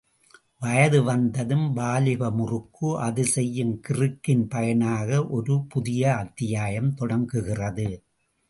வயது வந்ததும் வாலிப முறுக்கு அது செய்யும் கிறுக்கின் பயனாக ஒரு புதிய அத்தியாயம் தொடங்குகிறது.